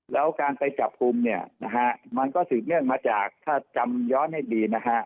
แล้วการไปจับกลุ่มเนี่ยนะฮะมันก็สืบเนื่องมาจากถ้าจำย้อนให้ดีนะฮะ